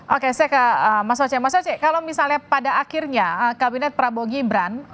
oke saya ke mas oce mas oce kalau misalnya pada akhirnya kabinet prabowo gibran